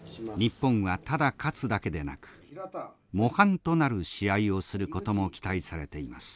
日本はただ勝つだけでなく模範となる試合をすることも期待されています。